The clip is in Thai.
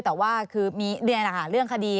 แต่ว่าคือเรื่องคดี